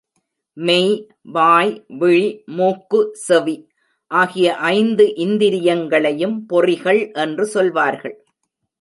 மெய், வாய், விழி, மூக்கு, செவி ஆகிய ஐந்து இந்திரியங்களையும் பொறிகள் என்று சொல்வார்கள்.